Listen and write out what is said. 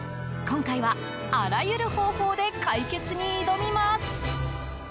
今回はあらゆる方法で解決に挑みます。